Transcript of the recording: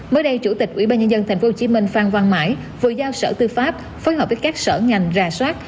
mới đây chủ tịch ủy ban nhân dân tp hcm phan văn mãi vừa giao sở tư pháp phối hợp với các sở ngành rà soát